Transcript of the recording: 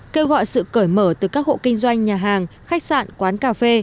kêu gọi sự cởi mở từ các hộ kinh doanh nhà hàng khách sạn quán cà phê